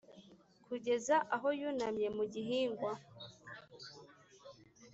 kugeza aho yunamye mu gihingwa;